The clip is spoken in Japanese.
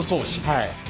はい。